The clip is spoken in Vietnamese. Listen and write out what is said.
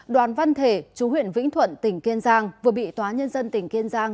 đoàn văn thể chú huyện vĩnh thuận tỉnh kiên giang vừa bị tòa nhân dân tỉnh kiên giang